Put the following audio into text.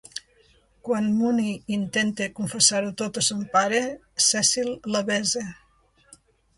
Quan Mooney intenta confessar-ho tot a son pare, Cecil la besa.